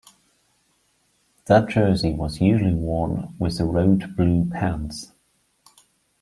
That jersey was usually worn with the road blue pants.